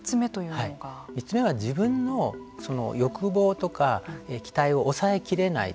３つ目は自分の欲望とか期待を抑えきれない。